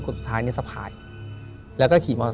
ถูกต้องไหมครับถูกต้องไหมครับ